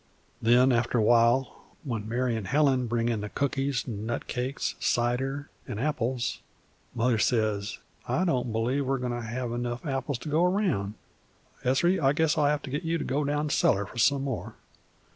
Then, aft'r a while, when Mary an' Helen bring in the cookies, nut cakes, cider, an' apples, Mother says: 'I don't b'lieve we're goin' to hev enough apples to go round; Ezry, I guess I'll have to get you to go down cellar for some more.'